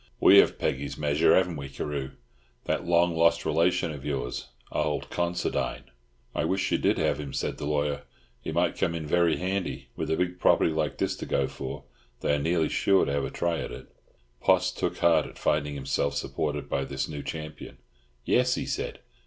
We have Peggy's measure, haven't we, Carew? That long lost relation of yours, old Considine!" "I wish you did have him," said the lawyer. "He might come in very handy. With a big property like this to go for, they are nearly sure to have a try at it." Poss took heart at finding himself supported by this new champion. "Yes," he said.